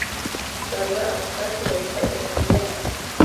Barora amasasu, bayita imyambi yabo;